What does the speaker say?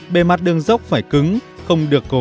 bề mặt đường dốc phải cứng không được cắt